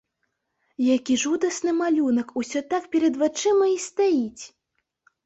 Які жудасны малюнак, усё так перад вачыма і стаіць!